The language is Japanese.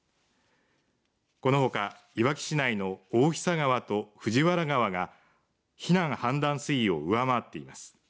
このほかいわき市内の大久川と藤原川が避難氾濫水位を上回っています。